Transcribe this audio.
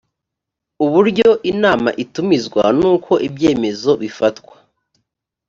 uburyo inama itumizwa n uko ibyemezo bifatwa